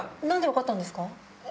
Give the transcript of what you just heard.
何で分かったんですか？